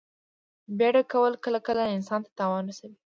بیړه کول کله کله انسان ته تاوان رسوي.